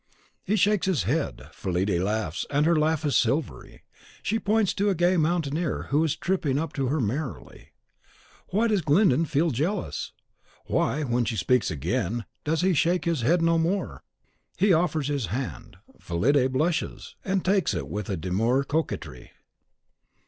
He shakes his head; Fillide laughs, and her laugh is silvery. She points to a gay mountaineer, who is tripping up to her merrily. Why does Glyndon feel jealous? Why, when she speaks again, does he shake his head no more? He offers his hand; Fillide blushes, and takes it with a demure coquetry.